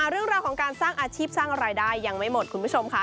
เรื่องราวของการสร้างอาชีพสร้างรายได้ยังไม่หมดคุณผู้ชมค่ะ